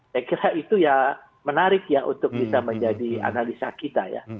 saya kira itu ya menarik ya untuk bisa menjadi analisa kita ya